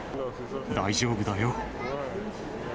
大丈夫だよ。